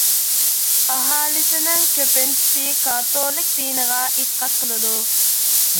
ئاھالىسىنىڭ كۆپىنچىسى كاتولىك دىنىغا ئېتىقاد قىلىدۇ.